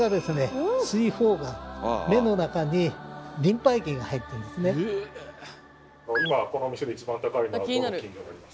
目の中にリンパ液が入っていますね。